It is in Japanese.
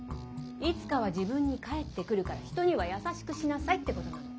「いつかは自分に返ってくるから人には優しくしなさい」ってことなの。